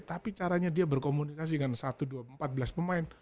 tapi caranya dia berkomunikasi dengan satu empat belas pemain